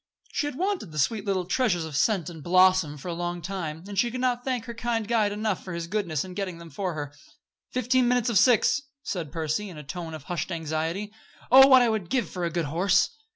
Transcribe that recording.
She had wanted the sweet little treasures of scent and blossom for a long time, and she could not thank her kind guide enough for his goodness in getting them for her. "Fifteen minutes of six!" said Percy, in a tone of hushed anxiety. "Oh! what would I give for a good horse."